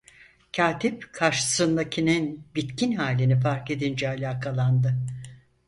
Katip, karşısındakinin bitkin halini fark edince alakalandı.